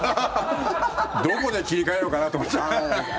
どこで切り替えようかなと思って。